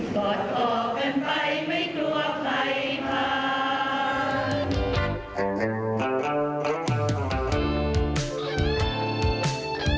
ก่อนออกกันไปไม่กลัวใครผ่าน